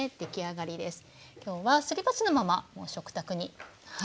今日はすり鉢のままもう食卓にはい出して。